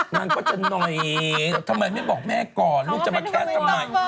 นางก็จะหน่อยทำไมไม่บอกแม่ก่อนลูกจะมาแก๊สทำไม